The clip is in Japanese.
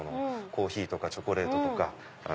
コーヒーとかチョコレートとか。